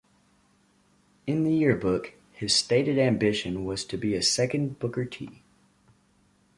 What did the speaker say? In the yearbook, his stated ambition was to be a second Booker T.